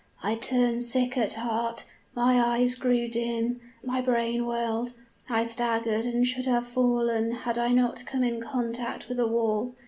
I turned sick at heart my eyes grew dim my brain whirled I staggered and should have fallen had I not come in contact with a wall.